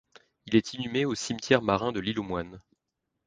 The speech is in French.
Il est inhumé au Cimetière Marin de l'Île-aux-Moines.